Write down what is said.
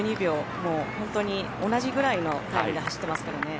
もう本当に同じぐらいのタイムで走ってますからね。